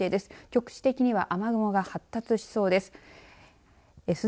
局地的には雨雲が発達しそうです。